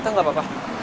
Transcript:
itu enggak apa apa